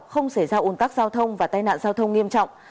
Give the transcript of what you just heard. không xảy ra ồn tắc giao thông và tai nạn giao thông nghiêm trọng